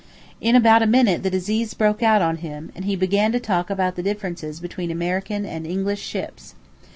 In about a minute the disease broke out on him, and he began to talk about the differences between American and English ships.